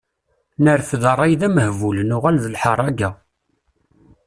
Nerfed rray d amehbul, nuɣal d lḥerraga.